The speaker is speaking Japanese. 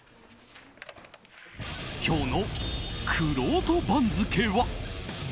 今日のくろうと番付は。